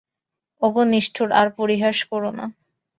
ওগো নিষ্ঠুর, আর পরিহাস কোরো না।